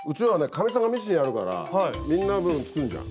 かみさんがミシンやるからみんなの分作るじゃん。